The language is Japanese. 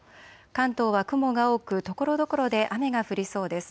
関東は雲が多くところどころで雨が降りそうです。